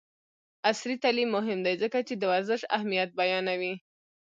عصري تعلیم مهم دی ځکه چې د ورزش اهمیت بیانوي.